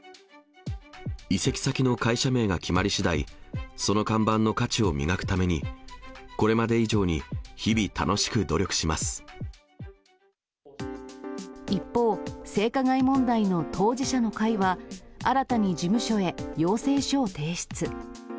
移籍先の会社名が決まりしだい、その看板の価値を磨くために、これまで以上に日々、楽しく努力一方、性加害問題の当事者の会は、新たに事務所へ要請書を提出。